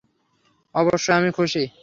অবশ্যই আমি খুশি!